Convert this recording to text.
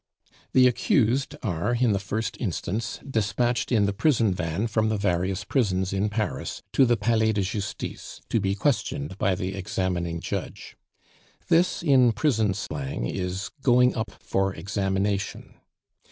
The accused are, in the first instance, despatched in the prison van from the various prisons in Paris to the Palais de Justice, to be questioned by the examining judge. This, in prison slang, is called "going up for examination."